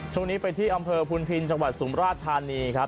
ช่วงนี้ไปที่อำเภอพุนพินจังหวัดสุมราชธานีครับ